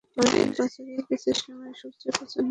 ওডিশায় বছরের কিছু সময় সূর্যের প্রচণ্ড তেজ থাকে।